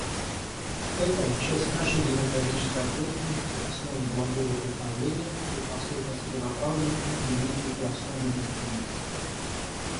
Это — часть нашей демократической ответственности, основа благого управления, предпосылка целенаправленных изменений и основа легитимности.